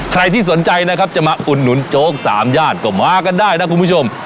ใครที่สนใจนะครับจะมาอุดหนุนโจ๊กสามญาติก็มากันได้นะคุณผู้ชม